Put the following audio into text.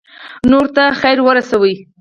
نورو ته خیر ورسوئ